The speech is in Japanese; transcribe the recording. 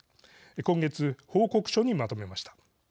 今月、報告書にまとめました。